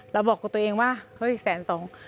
บอกกับตัวเองว่าเฮ้ยแสนสอง